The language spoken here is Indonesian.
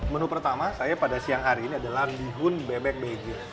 menu pertama saya pada siang hari ini adalah bihun bebek beijing